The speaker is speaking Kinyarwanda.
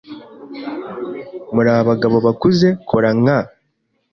Muri abagabo bakuze. Kora nka.